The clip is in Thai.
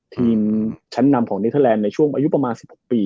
ทีมชั้นนำของเนเทอร์แลนด์ในช่วงอายุประมาณ๑๖ปี